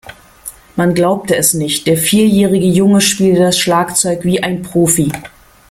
Man glaubte es nicht, der vierjährige Junge spiele das Schlagzeug wie ein Profi.